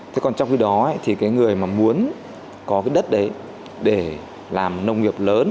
thế còn trong khi đó thì người mà muốn có đất đấy để làm nông nghiệp lớn